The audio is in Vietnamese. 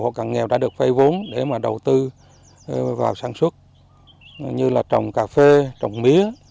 hộ càng nghèo đã được vay vốn để mà đầu tư vào sản xuất như là trồng cà phê trồng mía